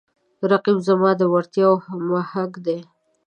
رقیب زما د وړتیاو محک دی